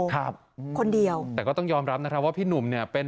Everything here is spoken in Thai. ครับคนเดียวแต่ก็ต้องยอมรับนะครับว่าพี่หนุ่มเนี่ยเป็น